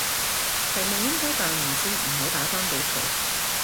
係咪應該扮唔知唔好打返俾佢？